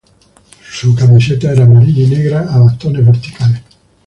Su camiseta era amarilla y negra a bastones verticales.